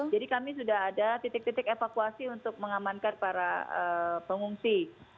jadi kami sudah ada titik titik evakuasi untuk mengamankan para pengungsi